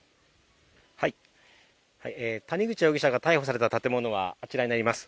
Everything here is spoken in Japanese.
谷口容疑者が逮捕された建物があちらになります。